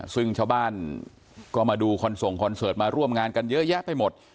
ซึ่งชาวบ้านก็มาดูคอนส่งคอนเสิร์ตมาร่วมงานกันเยอะแยะไปหมด